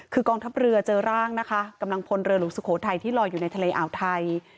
คือกองทัพเรือเจอร่างนะคะกำลังพลเรือหลวงสุโขทัยที่ลอยอยู่ในทะเลอ่าวไทย